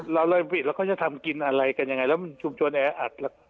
เราเลยผิดแล้วเขาจะทำกินอะไรกันยังไงแล้วมันชุมชนแออัด